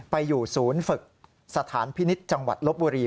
ไปอยู่ศูนย์ฝึกสถานพินิษฐ์จังหวัดลบบุรี